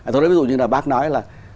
tôi nói ví dụ như là bác nói là